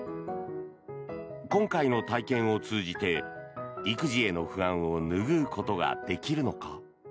今回の体験を通じて育児への不安を拭うことができるのか。